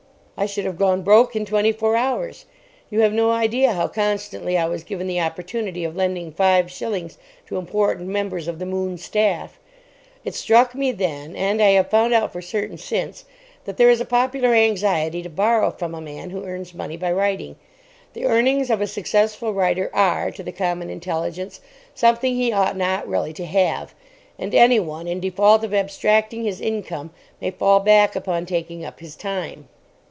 I should have gone broke in twenty four hours. You have no idea how constantly I was given the opportunity of lending five shillings to important members of the "Moon" staff. It struck me then—and I have found out for certain since—that there is a popular anxiety to borrow from a man who earns money by writing. The earnings of a successful writer are, to the common intelligence, something he ought not really to have. And anyone, in default of abstracting his income, may fall back upon taking up his time.